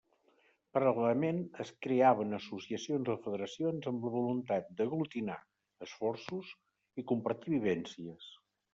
Paral·lelament, es creaven associacions o federacions amb la voluntat d'aglutinar esforços i compartir vivències.